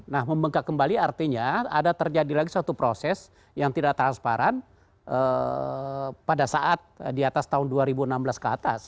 nah membengkak kembali artinya ada terjadi lagi satu proses yang tidak transparan pada saat di atas tahun dua ribu enam belas ke atas